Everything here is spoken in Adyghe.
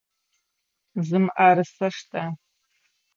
Зы мыӏэрысэ штэ!